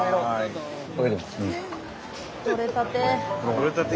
とれたて。